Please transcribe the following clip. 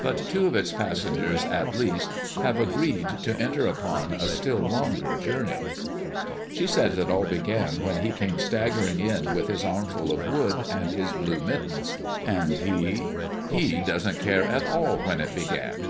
But two of its passengers, at least, have agreed to enter upon a still longer journey. She says it all began when he came staggering in with his armful of wood and his blue mittens; and he? he doesn't care at all when it began.